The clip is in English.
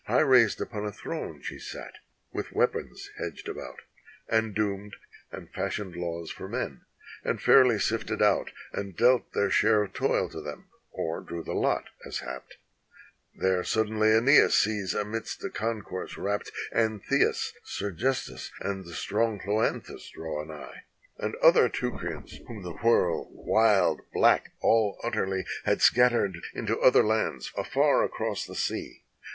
High raised upon a throne she sat, with weapons hedged about, And doomed, and fashioned laws for men, and fairly sifted out And dealt their share of toil to them, or drew the lot as happed. There suddenly ^neas sees amidst a concourse wrapped Antheus, Sergestus, and the strong Cloanthus draw anigh, And other Teucrians whom the whirl, wild, black, all utterly Had scattered into other lands afar across the sea.